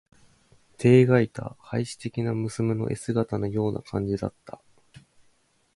てえがいた、稗史的な娘の絵姿のような感じだった。